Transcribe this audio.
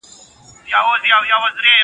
چي په گرانه ئې رانيسې، په ارزانه ئې مه خرڅوه.